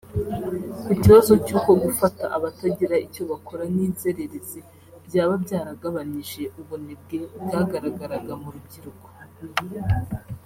Ku kibazo cy’uko gufata abatagira icyo bakora n’inzererezi byaba byaragabanije ubunebwe bwagaragaraga mu rubyiruko